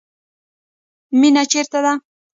مینه چیرته ده؟